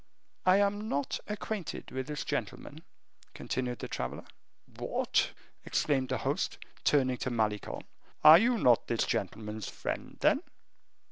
"I am not acquainted with this gentleman," continued the traveler. "What!" exclaimed the host, turning to Malicorne, "are you not this gentleman's friend, then?"